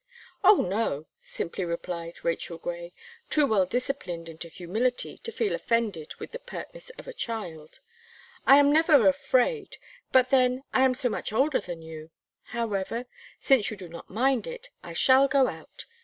"Oh, no!" simply replied Rachel Gray, too well disciplined into humility to feel offended with the pertness of a child, "I am never afraid; but then, I am so much older than you. However, since you do not mind it, I shall go out.